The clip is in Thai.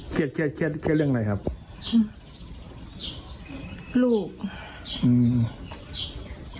เทียดเรื่องอื่นด้วยเทียดเรื่องอะไรครับหือ